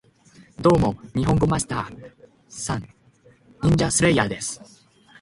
ドーモ、ニホンゴマスター＝サン！ニンジャスレイヤーです